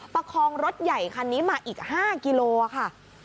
ประคองรถใหญ่คันนี้มาอีก๕กิโลค่ะ